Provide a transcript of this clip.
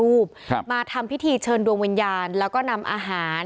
อันนั้นไม่เคยได้คุยไม่ได้ยุ่งอะไรกับเขา